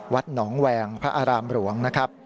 วัดหนองแวงพระอารามหลวง